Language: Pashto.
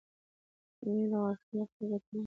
پنېر د غاښونو لپاره ګټور دی.